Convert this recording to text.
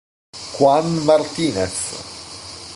Juan Martínez